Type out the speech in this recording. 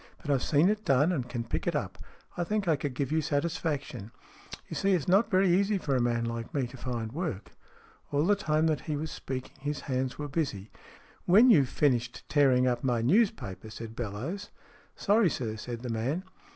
But I've seen it done and can pick it up. I think I could give you satis faction. You see, it's not very easy for a man like me to find work." All the time that he was speaking, his hands were busy. "When you've finished tearing up my newspaper," said Bellowes. " Sorry, sir," said the man.